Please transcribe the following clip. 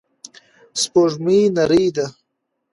سپوږمۍ نرۍ ده.